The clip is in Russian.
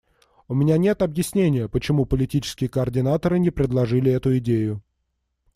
У меня нет объяснения, почему политические координаторы не предложили эту идею.